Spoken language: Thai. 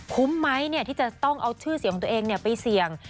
คุ้มไหมที่จะต้องเอาชื่อเสียงของตัวเองไปเสี่ยง